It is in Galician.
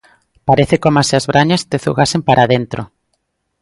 Parece coma se as brañas te zugasen para dentro.